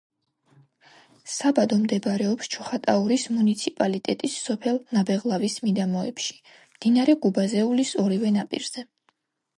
საბადო მდებარეობს ჩოხატაურის მუნიციპალიტეტის სოფელ ნაბეღლავის მიდამოებში, მდინარე გუბაზეულის ორივე ნაპირზე.